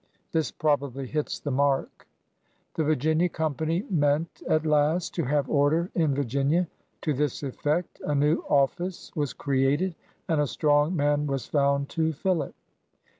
'' This probably hits the mark. The Virginia Company meant at last to have order in Virginia. To this effect, a new office was created and a strong man was foimd to fill it.